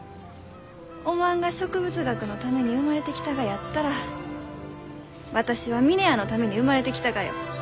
おまんが植物学のために生まれてきたがやったら私は峰屋のために生まれてきたがよ。